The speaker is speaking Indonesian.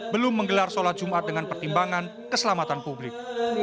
belum menggelar sholat jumat dengan pertimbangan keselamatan publik